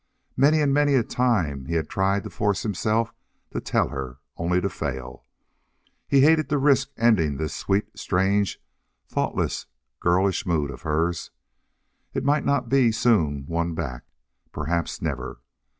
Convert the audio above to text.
Many and many a time he had tried to force himself to tell her, only to fail. He hated to risk ending this sweet, strange, thoughtless, girlish mood of hers. It might not be soon won back perhaps never.